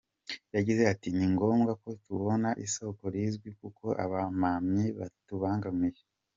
Yagize ati “Ni ngombwa ko tubona isoko rizwi kuko abamamyi batubangamiye.